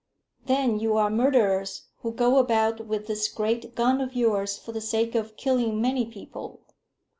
"Then you are murderers who go about with this great gun of yours for the sake of killing many people."